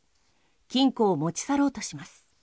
金庫を持ち去ろうとします。